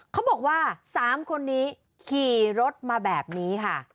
เขาบอกว่า๓คนนี้ขี่รถมาแบบนี้ค่ะ